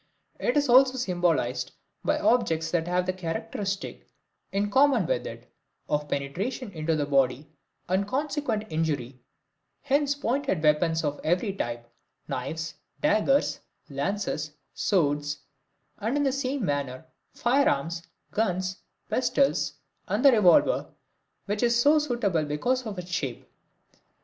It is also symbolized by objects that have the characteristic, in common with it, of penetration into the body and consequent injury, hence pointed weapons of every type, knives, daggers, lances, swords, and in the same manner firearms, guns, pistols and the revolver, which is so suitable because of its shape.